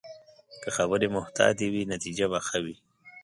که خبرې محتاطې وي، نتیجه به ښه وي